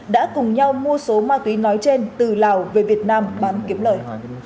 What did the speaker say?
đã cùng nhau mua số ma túy nói trên từ lào về việt nam bán kiếm lời